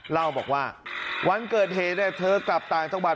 เล่าบอกว่าวันเกิดเหตุเธอกลับต่างจังหวัด